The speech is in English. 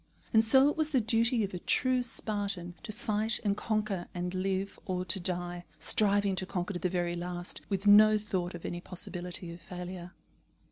And so it was the duty of a true Spartan to fight and conquer and live, or to die, striving to conquer to the very last, with no thought of any possibility of failure.